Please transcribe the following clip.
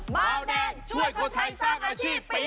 เบาแดงช่วยคนไทยสร้างอาชีพปี๒